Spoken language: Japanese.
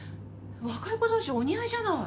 若い子同士、お似合いじゃない！